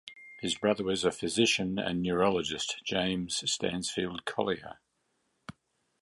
His brother was the physician and neurologist James Stansfield Collier.